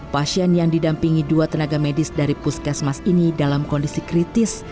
pasien yang didampingi dua tenaga medis dari puskesmas ini dalam kondisi kritis